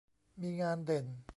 มีงานเด่น